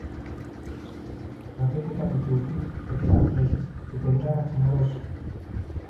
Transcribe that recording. Τραβήχθηκαν οι Τούρκοι κι έπιασαν θέσεις και περίμεναν να ξημερώσει